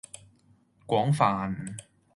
廣泛